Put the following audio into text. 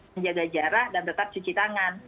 menjaga jarak dan tetap cuci tangan